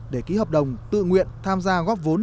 để ký hợp đồng tự nguyện tham gia góp vốn